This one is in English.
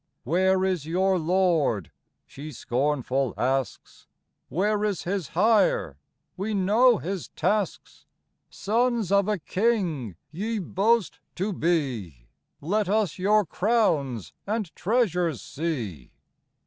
"Where is your Lord ?" she scornful asks " Where is His hire ? we know His tasks ; Sons of a King ye boast to be : Let us your crowns and treasures see."